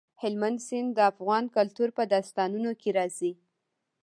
هلمند سیند د افغان کلتور په داستانونو کې راځي.